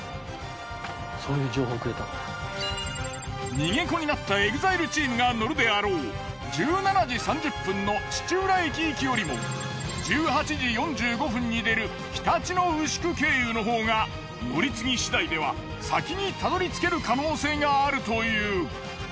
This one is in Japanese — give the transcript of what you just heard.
逃げ子になったＥＸＩＬＥチームが乗るであろう１７時３０分の土浦駅行きよりも１８時４５分に出るひたち野うしく経由のほうが乗り継ぎしだいでは先にたどり着ける可能性があるという。